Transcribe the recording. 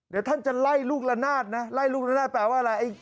เดี๋ยวท่านจะไล่ลูกละนาดนะไล่ลูกละนาดแปลว่าอะไร